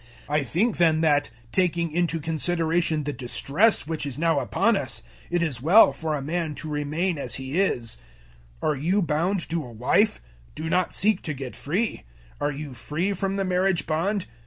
007:026 I think then that, taking into consideration the distress which is now upon us, it is well for a man to remain as he is. 007:027 Are you bound to a wife? Do not seek to get free. Are you free from the marriage bond?